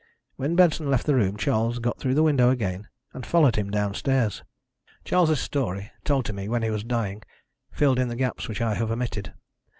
When Benson left the room Charles got through the window again, and followed him downstairs. "Charles' story, told to me when he was dying, filled in the gaps which I have omitted.